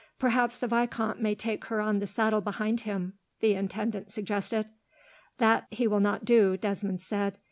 "Perhaps the vicomte may take her on the saddle behind him," the intendant suggested. "That he will not do," Desmond said.